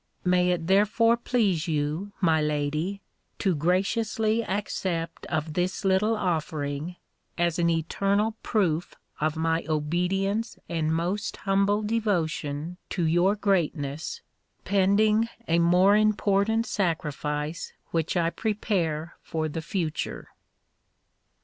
May it therefore please you, my Lady, to graciously accept of this little offering, as an eternal proof of my obedience and most humble devotion to your greatness, pending a more important sacrifice which I prepare for the future.